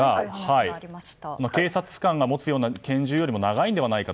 警察官が持つような拳銃よりも長いのではないか。